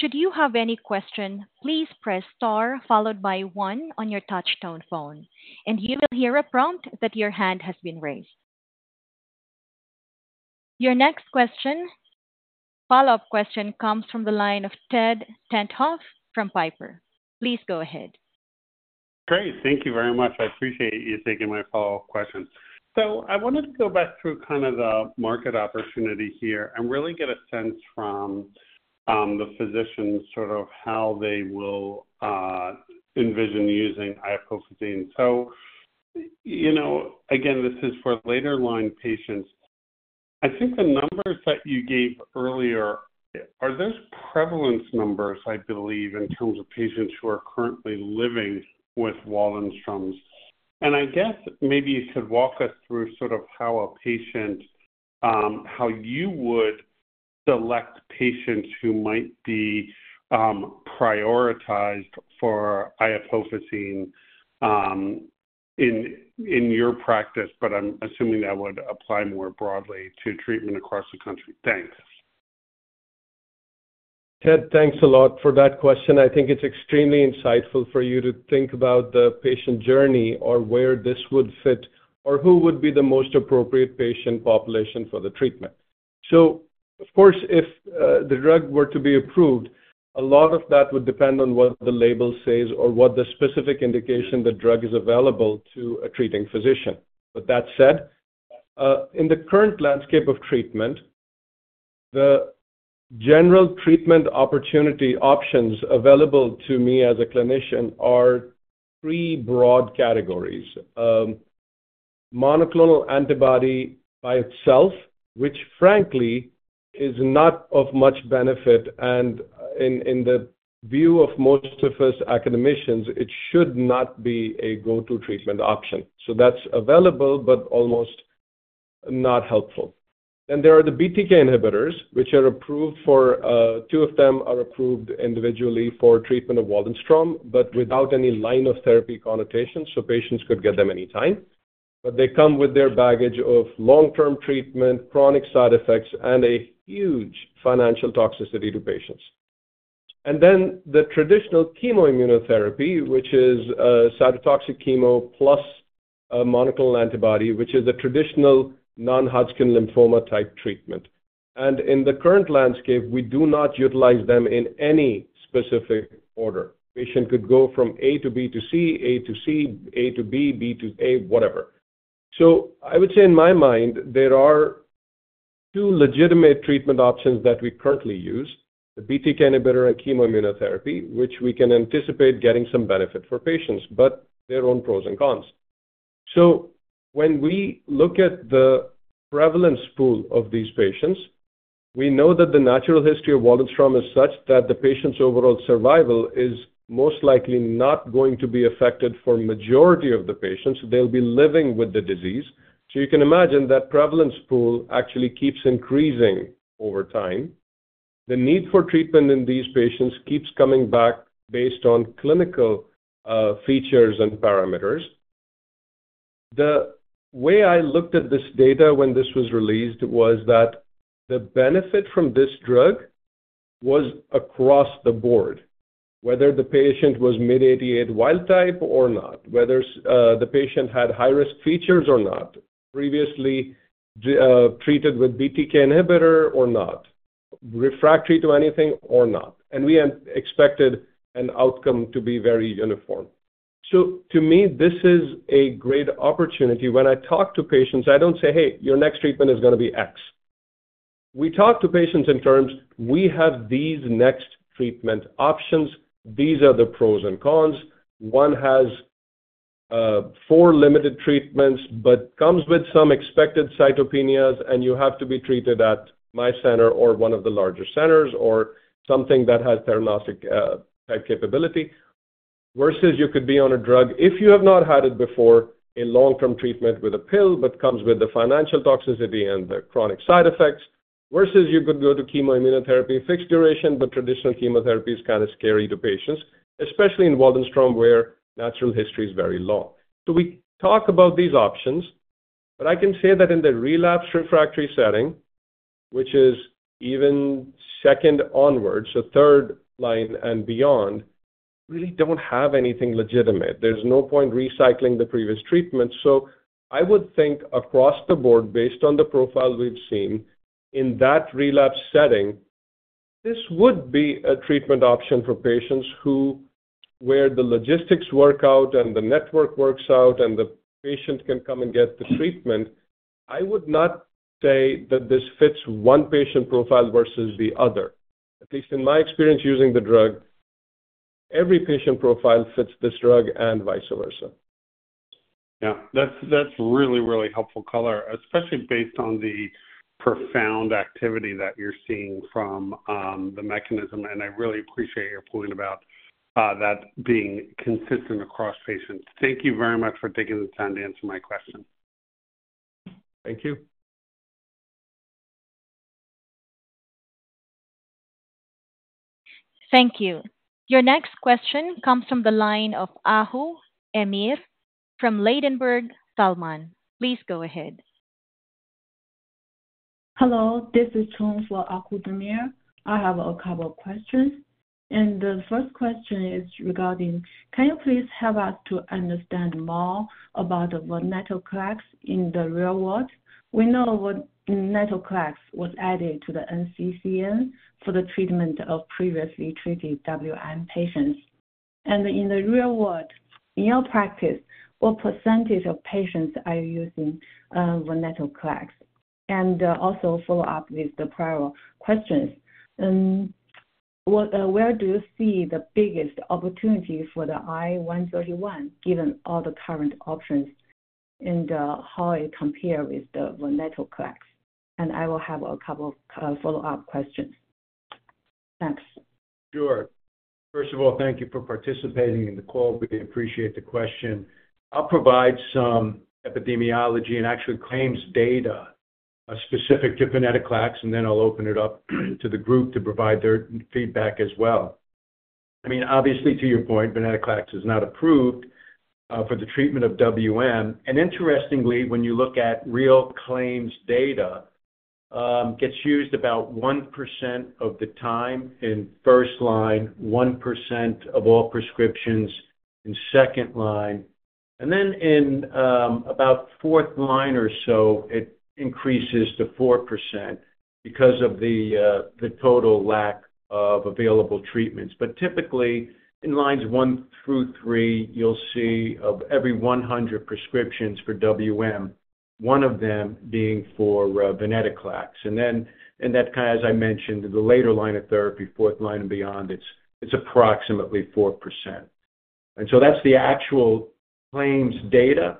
should you have any question, please press star followed by one on your touch-tone phone, and you will hear a prompt that your hand has been raised. Your next question, follow-up question, comes from the line of Ted Tenthoff from Piper. Please go ahead. Great. Thank you very much. I appreciate you taking my follow-up questions. So I wanted to go back through kind of the market opportunity here. I'm really getting a sense from the physicians, sort of, how they will envision using iopofosine I-131. So again, this is for later-line patients. I think the numbers that you gave earlier, there's prevalence numbers, I believe, in terms of patients who are currently living with Waldenstrom's. And I guess maybe you could walk us through sort of how a patient, how you would select patients who might be prioritized for iopofosine I-131 in your practice, but I'm assuming that would apply more broadly to treatment across the country. Thanks. Ted, thanks a lot for that question. I think it's extremely insightful for you to think about the patient journey or where this would fit or who would be the most appropriate patient population for the treatment. So of course, if the drug were to be approved, a lot of that would depend on what the label says or what the specific indication the drug is available to a treating physician. But that said, in the current landscape of treatment, the general treatment opportunity options available to me as a clinician are 3 broad categories: monoclonal antibody by itself, which frankly is not of much benefit, and in the view of most of us academicians, it should not be a go-to treatment option. So that's available but almost not helpful. Then there are the BTK inhibitors, which are approved for two of them are approved individually for treatment of Waldenstrom's, but without any line of therapy connotation, so patients could get them anytime. But they come with their baggage of long-term treatment, chronic side effects, and a huge financial toxicity to patients. And then the traditional chemoimmunotherapy, which is cytotoxic chemo plus monoclonal antibody, which is a traditional non-Hodgkin lymphoma-type treatment. In the current landscape, we do not utilize them in any specific order. A patient could go from A to B to C, A to C, A to B, B to A, whatever. So I would say in my mind, there are two legitimate treatment options that we currently use: the BTK inhibitor and chemoimmunotherapy, which we can anticipate getting some benefit for patients, but there are pros and cons. So when we look at the prevalence pool of these patients, we know that the natural history of Waldenstrom's is such that the patient's overall survival is most likely not going to be affected for the majority of the patients. They'll be living with the disease. So you can imagine that prevalence pool actually keeps increasing over time. The need for treatment in these patients keeps coming back based on clinical features and parameters. The way I looked at this data when this was released was that the benefit from this drug was across the board, whether the patient was MYD88 wild type or not, whether the patient had high-risk features or not, previously treated with BTK inhibitor or not, refractory to anything or not. And we expected an outcome to be very uniform. So to me, this is a great opportunity. When I talk to patients, I don't say, "Hey, your next treatment is going to be X." We talk to patients in terms, "We have these next treatment options. These are the pros and cons. One has four limited treatments but comes with some expected cytopenias, and you have to be treated at my center or one of the larger centers or something that has theranostic-type capability versus you could be on a drug if you have not had it before, a long-term treatment with a pill but comes with the financial toxicity and the chronic side effects versus you could go to chemoimmunotherapy, fixed duration, but traditional chemotherapy is kind of scary to patients, especially in Waldenstrom's where natural history is very long." So we talk about these options, but I can say that in the relapse refractory setting, which is even second onward, so third line and beyond, we really don't have anything legitimate. There's no point recycling the previous treatment. So I would think across the board, based on the profile we've seen in that relapse setting, this would be a treatment option for patients where the logistics work out and the network works out and the patient can come and get the treatment. I would not say that this fits one patient profile versus the other. At least in my experience using the drug, every patient profile fits this drug and vice versa. Yeah. That's really, really helpful color, especially based on the profound activity that you're seeing from the mechanism. And I really appreciate your point about that being consistent across patients. Thank you very much for taking the time to answer my question. Thank you. Thank you. Your next question comes from the line of Ahu Demir from Ladenburg Thalmann. Please go ahead. Hello. This is Chung for Ahu Demir. I have a couple of questions. The first question is regarding, can you please help us to understand more about the venetoclax in the real world? We know venetoclax were added to the NCCN for the treatment of previously treated WM patients. And in the real world, in your practice, what percentage of patients are using venetoclax? And also follow up with the prior questions. Where do you see the biggest opportunity for the I-131 given all the current options and how it compares with the venetoclax? And I will have a couple of follow-up questions. Thanks. Sure. First of all, thank you for participating in the call. We appreciate the question. I'll provide some epidemiology and actually claims data specific to venetoclax, and then I'll open it up to the group to provide their feedback as well. I mean, obviously, to your point, venetoclax is not approved for the treatment of WM. And interestingly, when you look at real claims data, it gets used about 1% of the time in first line, 1% of all prescriptions in second line. And then in about fourth line or so, it increases to 4% because of the total lack of available treatments. But typically, in lines one through three, you'll see of every 100 prescriptions for WM, one of them being for venetoclax. And then in that kind of, as I mentioned, the later line of therapy, fourth line and beyond, it's approximately 4%. And so that's the actual claims data.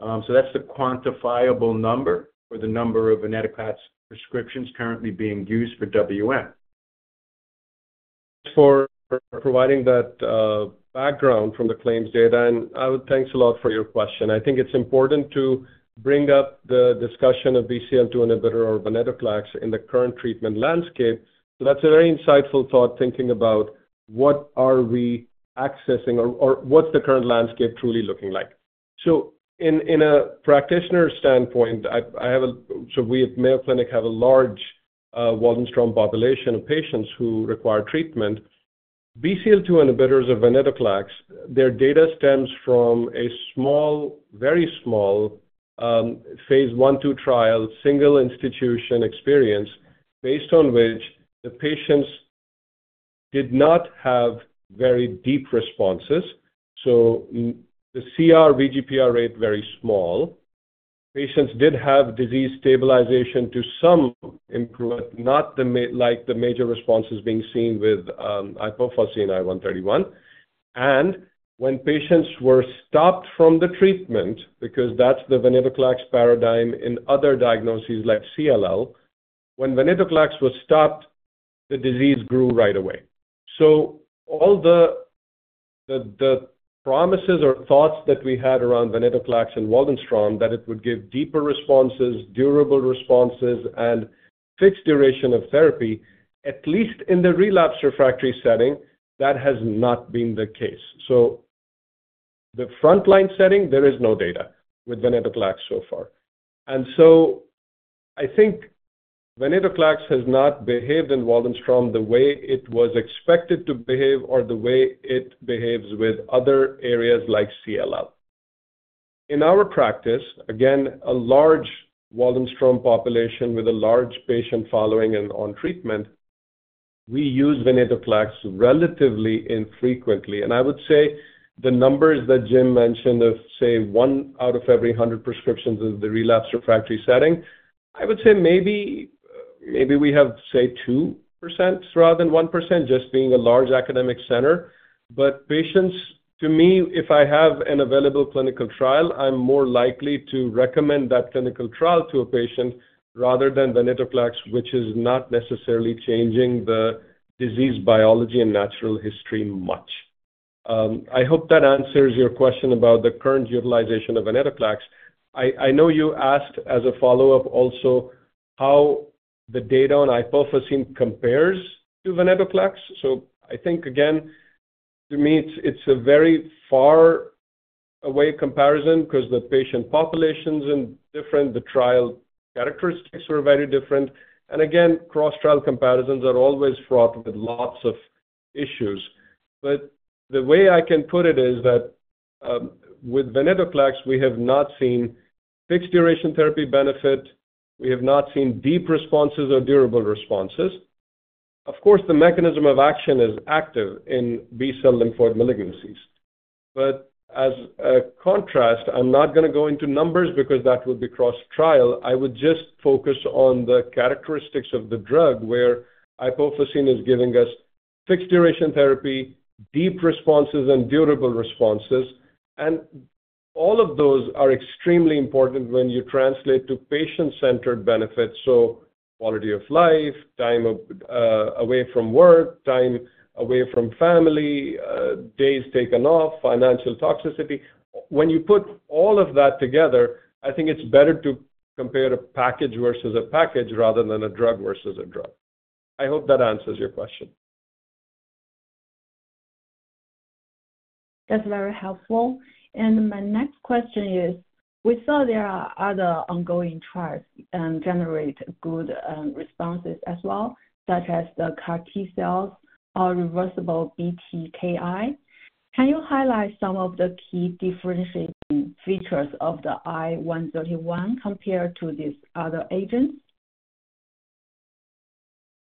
So that's the quantifiable number for the number of venetoclax prescriptions currently being used for WM. Thanks for providing that background from the claims data. And thanks a lot for your question. I think it's important to bring up the discussion of BCL-2 inhibitor or venetoclax in the current treatment landscape. That's a very insightful thought thinking about what are we accessing or what's the current landscape truly looking like. In a practitioner's standpoint, I have—we at Mayo Clinic have a large Waldenstrom's population of patients who require treatment. BCL-2 inhibitors or venetoclax, their data stems from a small, very small phase 1/2 trial, single institution experience based on which the patients did not have very deep responses. So the CR VGPR rate was very small. Patients did have disease stabilization to some improvement, not like the major responses being seen with iopofosine I-131. And when patients were stopped from the treatment, because that's the venetoclax paradigm in other diagnoses like CLL, when venetoclax were stopped, the disease grew right away. So all the promises or thoughts that we had around venetoclax and Waldenstrom's, that it would give deeper responses, durable responses, and fixed duration of therapy, at least in the relapse refractory setting, that has not been the case. So the frontline setting, there is no data with venetoclax so far. And so I think venetoclax has not behaved in Waldenstrom's the way it was expected to behave or the way it behaves with other areas like CLL. In our practice, again, a large Waldenstrom's population with a large patient following and on treatment, we use venetoclax relatively infrequently. And I would say the numbers that Jim mentioned of, say, one out of every 100 prescriptions in the relapse refractory setting, I would say maybe we have, say, 2% rather than 1% just being a large academic center. But patients, to me, if I have an available clinical trial, I'm more likely to recommend that clinical trial to a patient rather than venetoclax, which is not necessarily changing the disease biology and natural history much. I hope that answers your question about the current utilization of venetoclax. I know you asked as a follow-up also how the data on iopofosine compares to venetoclax. So I think, again, to me, it's a very far-away comparison because the patient populations are different, the trial characteristics are very different. And again, cross-trial comparisons are always fraught with lots of issues. But the way I can put it is that with venetoclax, we have not seen fixed duration therapy benefit. We have not seen deep responses or durable responses. Of course, the mechanism of action is active in B-cell lymphoid malignancies. But as a contrast, I'm not going to go into numbers because that would be cross-trial. I would just focus on the characteristics of the drug where iopofosine I 131 is giving us fixed duration therapy, deep responses, and durable responses. And all of those are extremely important when you translate to patient-centered benefits. So quality of life, time away from work, time away from family, days taken off, financial toxicity. When you put all of that together, I think it's better to compare a package versus a package rather than a drug versus a drug. I hope that answers your question. That's very helpful. And my next question is, we saw there are other ongoing trials and generate good responses as well, such as the CAR-T cells or reversible BTKI. Can you highlight some of the key differentiating features of the I-131 compared to these other agents?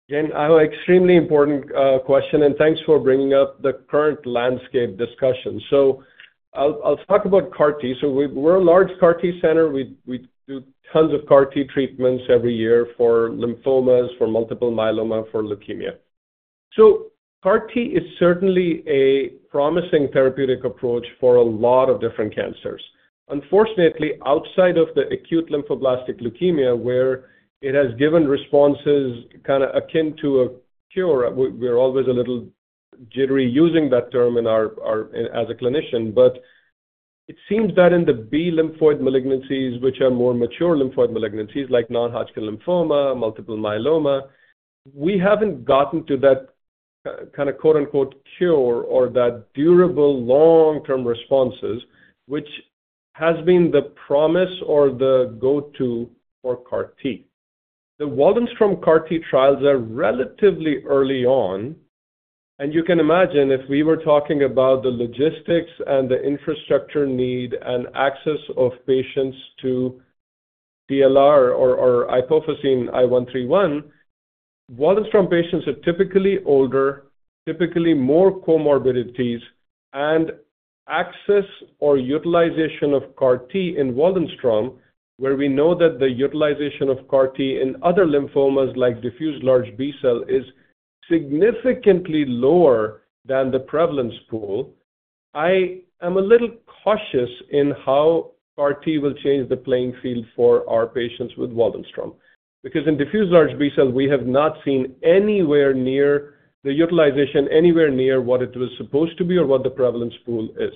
Again, an extremely important question, and thanks for bringing up the current landscape discussion. So I'll talk about CAR T. So we're a large CAR T center. We do tons of CAR T treatments every year for lymphomas, for multiple myeloma, for leukemia. So CAR T is certainly a promising therapeutic approach for a lot of different cancers. Unfortunately, outside of the acute lymphoblastic leukemia, where it has given responses kind of akin to a cure, we're always a little jittery using that term as a clinician. But it seems that in the B-lymphoid malignancies, which are more mature lymphoid malignancies like non-Hodgkin lymphoma, multiple myeloma, we haven't gotten to that kind of "cure" or that durable long-term responses, which has been the promise or the go-to for CAR T. The Waldenstrom's CAR T trials are relatively early on. You can imagine if we were talking about the logistics and the infrastructure need and access of patients to CLR or iopofosine I-131, Waldenstrom patients are typically older, typically more comorbidities, and access or utilization of CAR T in Waldenstrom, where we know that the utilization of CAR T in other lymphomas like diffuse large B-cell is significantly lower than the prevalence pool. I am a little cautious in how CAR T will change the playing field for our patients with Waldenstrom because in diffuse large B-cell, we have not seen anywhere near the utilization, anywhere near what it was supposed to be or what the prevalence pool is.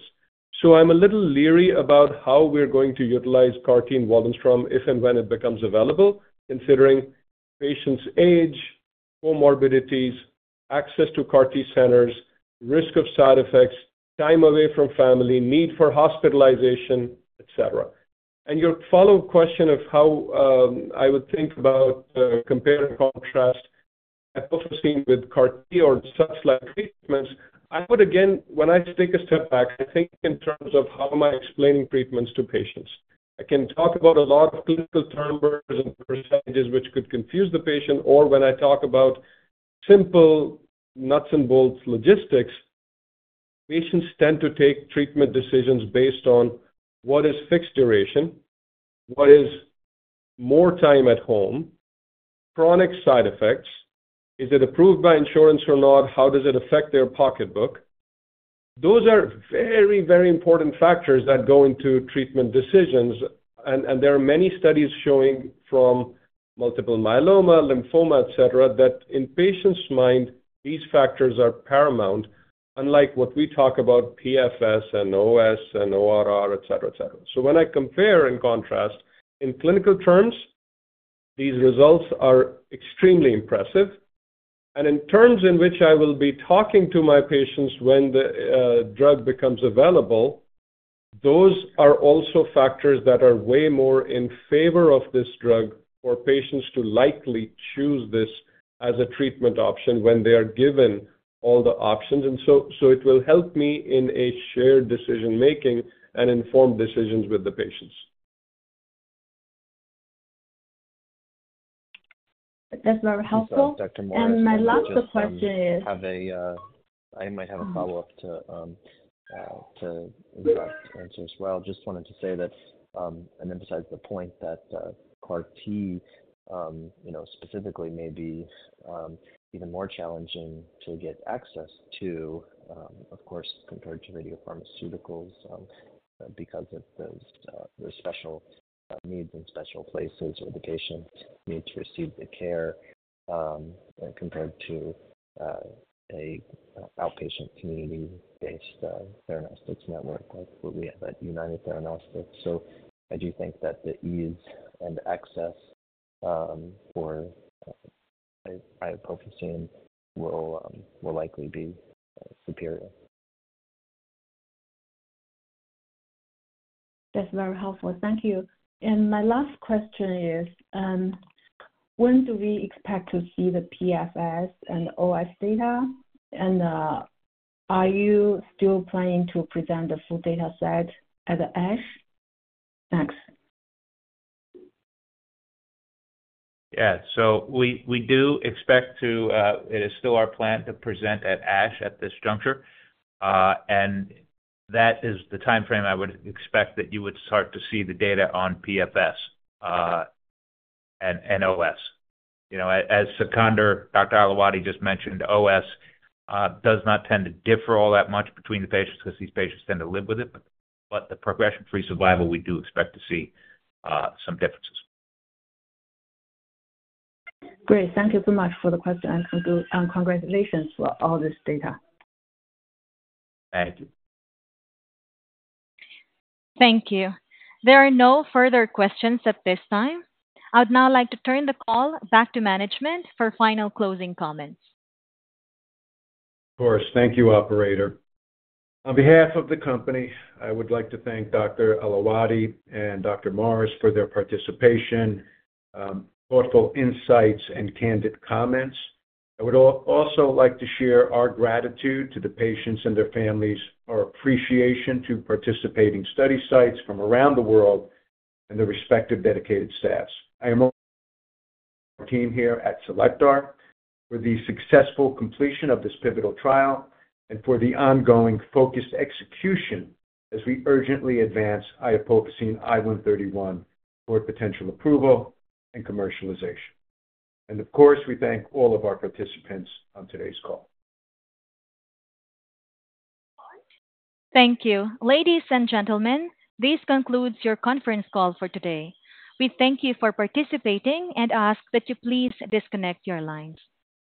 So I'm a little leery about how we're going to utilize CAR T in Waldenstrom if and when it becomes available, considering patients' age, comorbidities, access to CAR T centers, risk of side effects, time away from family, need for hospitalization, etc. And your follow-up question of how I would think about compare and contrast iopofosine with CAR T or such like treatments, I would, again, when I take a step back, think in terms of how am I explaining treatments to patients. I can talk about a lot of clinical terms and percentages, which could confuse the patient. Or when I talk about simple nuts and bolts logistics, patients tend to take treatment decisions based on what is fixed duration, what is more time at home, chronic side effects, is it approved by insurance or not, how does it affect their pocketbook. Those are very, very important factors that go into treatment decisions. There are many studies showing from multiple myeloma, lymphoma, etc., that in patients' mind, these factors are paramount, unlike what we talk about PFS and OS and ORR, etc., etc. When I compare and contrast in clinical terms, these results are extremely impressive. In terms in which I will be talking to my patients when the drug becomes available, those are also factors that are way more in favor of this drug for patients to likely choose this as a treatment option when they are given all the options. It will help me in a shared decision-making and informed decisions with the patients. That's very helpful. My last question is, I might have a follow-up to answer as well. Just wanted to say that, and emphasize the point that CAR-T specifically may be even more challenging to get access to, of course, compared to radiopharmaceuticals because of the special needs and special places where the patient needs to receive the care compared to an outpatient community-based therapeutic network like what we have at United Theranostics. So I do think that the ease and access for iopofosine I 131 will likely be superior. That's very helpful. Thank you. And my last question is, when do we expect to see the PFS and OS data? And are you still planning to present the full data set at ASH? Thanks. Yeah. So we do expect to—it is still our plan to present at ASH at this juncture. And that is the time frame I would expect that you would start to see the data on PFS and OS. As Sikander, Dr. Ailawadhi just mentioned, OS does not tend to differ all that much between the patients because these patients tend to live with it. But the progression-free survival, we do expect to see some differences. Great. Thank you so much for the question. Congratulations for all this data. Thank you. Thank you. There are no further questions at this time. I would now like to turn the call back to management for final closing comments. Of course. Thank you, Operator. On behalf of the company, I would like to thank Dr. Ailawadhi and Dr. Morris for their participation, thoughtful insights, and candid comments. I would also like to share our gratitude to the patients and their families, our appreciation to participating study sites from around the world, and the respective dedicated staffs. I am honoring our team here at Cellectar for the successful completion of this pivotal trial and for the ongoing focused execution as we urgently advance iopofosine I-131 toward potential approval and commercialization. And of course, we thank all of our participants on today's call. Thank you. Ladies and gentlemen, this concludes your conference call for today. We thank you for participating and ask that you please disconnect your lines.